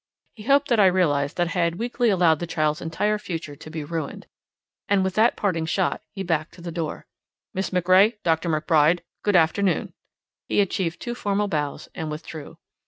He hoped that I realized that I had weakly allowed the child's entire future to be ruined. And with that parting shot he backed to the door. "Miss MacRae, Dr. McBride, good afternoon." He achieved two formal bows and withdrew.